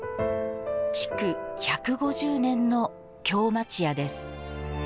築１５０年の京町屋です。